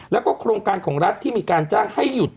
แล้วก็โครงการของรัฐที่มีการจ้างให้หยุด